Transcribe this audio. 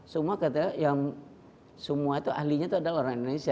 semua kata yang semua itu ahlinya itu adalah orang indonesia